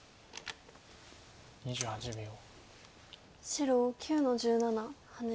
白９の十七ハネ。